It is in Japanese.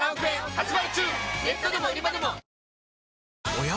おや？